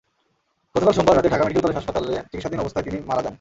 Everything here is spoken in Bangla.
গতকাল সোমবার রাতে ঢাকা মেডিকেল কলেজ হাসপাতালে চিকিৎসাধীন অবস্থায় তিনি মারা যান।